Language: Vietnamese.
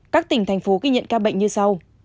các tỉnh thành phố ghi nhận ca bệnh như sau